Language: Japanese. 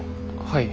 はい。